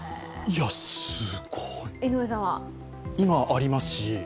すごい今、ありますし。